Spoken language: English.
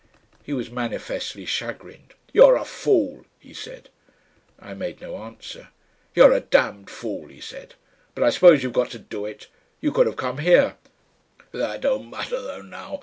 He was manifestly chagrined. "You're a fool," he said. I made no answer. "You're a damned fool," he said. "But I suppose you've got to do it. You could have come here That don't matter, though, now...